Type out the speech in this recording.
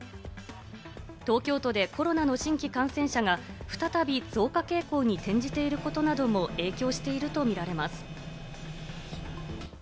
東京都でコロナの新規感染者が再び増加傾向に転じていることなども影響しているとみられます。